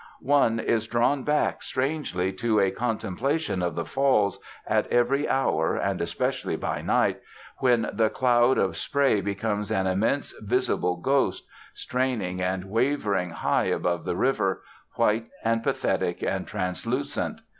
One is drawn back, strangely, to a contemplation of the Falls, at every hour, and especially by night, when the cloud of spray becomes an immense visible ghost, straining and wavering high above the river, white and pathetic and translucent.